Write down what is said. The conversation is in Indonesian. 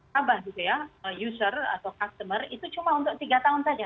tabah gitu ya user atau customer itu cuma untuk tiga tahun saja